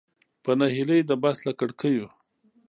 په نهیلۍ د بس له کړکیو.